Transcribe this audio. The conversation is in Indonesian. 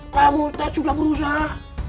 kamu teh sudah berusaha